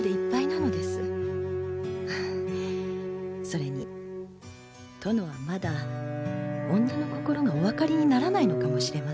それに殿はまだ女の心がお分かりにならないのかもしれませぬ。